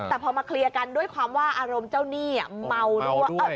แต่พอมาเคลียร์กันด้วยความว่าอารมณ์เจ้าหนี้เมาด้วย